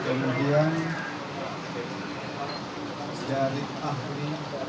kemudian dari ahli